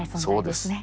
そうです。